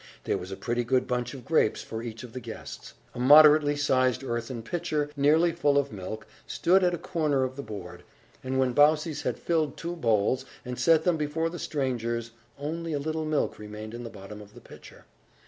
There was a pretty good bunch of grapes for each of the guests. A moderately sized earthen pitcher, nearly full of milk, stood at a corner of the board; and when Baucis had filled two bowls, and set them before the strangers, only a little milk remained in the bottom of the pitcher.